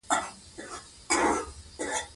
زما منی نه خوښيږي.